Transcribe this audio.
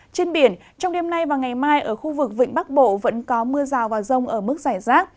trên biển trong đêm nay và ngày mai ở khu vực vịnh bắc bộ vẫn có mưa rào và rông ở mức giải rác